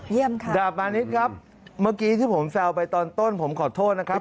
ค่ะดาบมานิดครับเมื่อกี้ที่ผมแซวไปตอนต้นผมขอโทษนะครับ